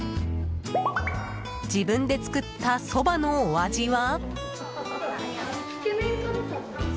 自分で作ったそばのお味は。